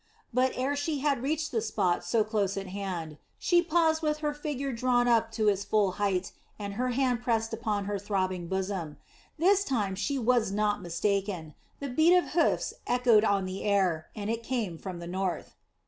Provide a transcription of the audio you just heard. But ere she had reached the spot so close at hand, she paused with her figure drawn up to its full height and her hand pressed upon her throbbing bosom. This time she was not mistaken, the beat of hoofs echoed on the air, and it came from the north.